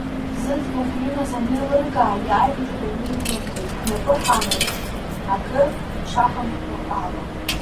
Зыӡбахә имаз анеилыркаа, иааин ҳаҩны еимырдеит, ҳнапы ҳамырхит акы шаҳамҳәо ала.